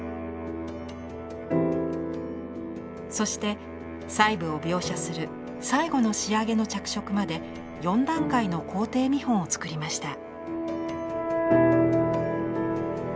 そして細部を描写する最後の仕上げの着色まで４段階の工程見本をつくりました。